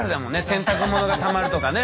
洗濯物がたまるとかね。